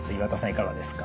いかがですか？